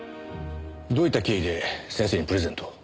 どういった経緯で先生にプレゼントを？